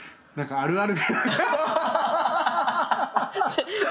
あるある。